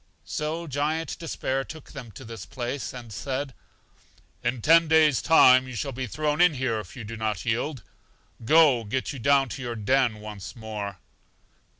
So Giant Despair took them to this place, and said: In ten days time you shall be thrown in here if you do not yield. Go; get you down to your den once more.